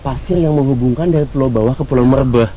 pesir yang menghubungkan dari pulau bawah ke pulau merbeh